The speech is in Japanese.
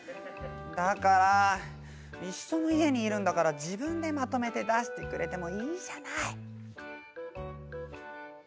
だから一緒の家にいるんだから自分でまとめて出してくれてもいいじゃない。